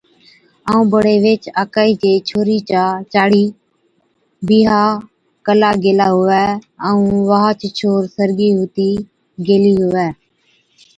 جي بڙي ويھِچ آڪھِي چِي ڇوھرِي چا (چاڙي) بِيھا ڪلا گيلا ھُوَي ائُون واھچ ڇوھر سرگِي ھُتِي گيلِي ھُوَي